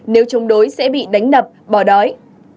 nếu chống đối sẽ bị đánh đập bỏ đói